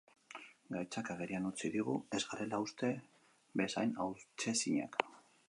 Gaitzak agerian utzi digu ez garela uste bezain hautsezinak.